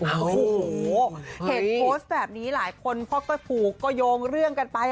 โอ้โหเห็นโพสต์แบบนี้หลายคนพ่อก็ผูกก็โยงเรื่องกันไป